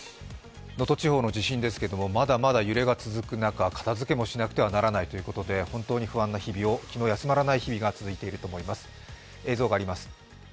能登地方の地震ですけれどもまだまだ揺れが続く中、片づけもしなくてはならないということで気の休まらない日々が続いていると思います。